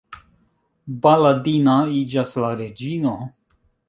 Baladina iĝas la reĝino.